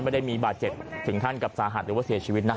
ไม่ได้มีบาดเจ็บถึงขั้นกับสาหัสหรือว่าเสียชีวิตนะ